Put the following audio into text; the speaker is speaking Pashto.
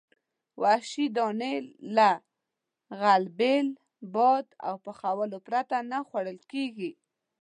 وحشي دانې له غلبیل، باد او پخولو پرته نه خوړل کېدې.